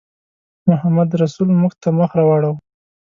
محمدرسول موږ ته مخ راواړاوه.